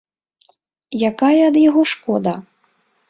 Якая ад яго шкода?